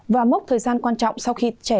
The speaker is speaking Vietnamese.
và mốc thời gian quan trọng sau khi trẻ